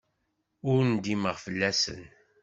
Ur ndimeɣ fell-asen.